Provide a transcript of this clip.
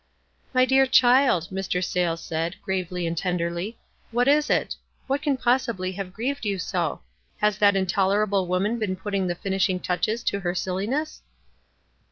" My dear child," Mr. Sayles said, gravely and tenderly, "what is it? What can possibly have grieved you so? Has that intolerable woman been putting the finishing touches to her silliness?"